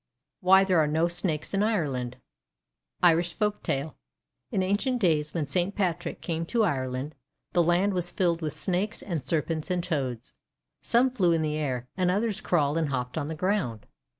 WHY THERE ARE NO SNAKES IN IRELAND Irish Folktale IN ancient days, when Saint Patrick came to Ireland, the land was filled with Snakes, and Serpents, and Toads. Some flew in the air, and others crawled and hopped on the ground.